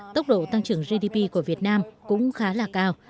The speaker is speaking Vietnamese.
tốc độ tăng trưởng gdp của việt nam cũng khá là cao